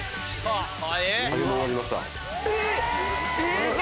えっ！